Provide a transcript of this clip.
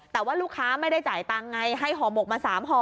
แต่ว่าลูกค้าไม่ได้จ่ายตังค์ไงให้ห่อหมกมา๓ห่อ